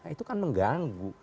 itu kan mengganggu